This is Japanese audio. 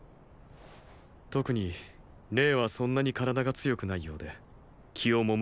特に麗はそんなに体が強くないようで気をもむこともある。